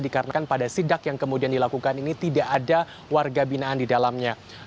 dikarenakan pada sidak yang kemudian dilakukan ini tidak ada warga binaan di dalamnya